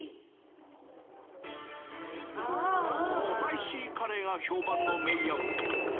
スパイシーカレーが評判のメーヤウ。